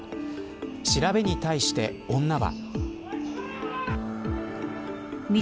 調べに対して女は。